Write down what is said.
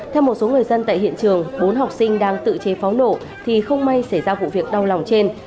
theo một số người dân tại hiện trường bốn học sinh đang tự chế pháo nổ thì không may xảy ra vụ việc đau lòng trên